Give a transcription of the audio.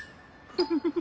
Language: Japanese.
フフフフ。